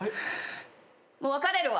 もう別れるわ。